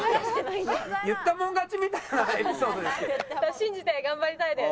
信じて頑張りたいです。